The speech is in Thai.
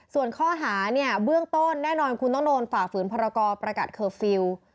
ส่วนข้อหาเนี่ยเบื้องต้นแน่นอนคุณต้องโดนฝ่าฝืนพรกรประกาศเคอร์ฟิลล์